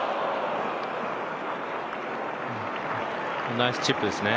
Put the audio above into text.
ナイスチップですね